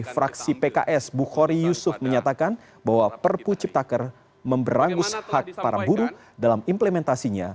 fraksi pks bukhori yusuf menyatakan bahwa perpu ciptaker memberangus hak para buruh dalam implementasinya